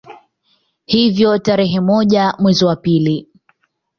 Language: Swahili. Hivyo tarehe moja mwezi wa pili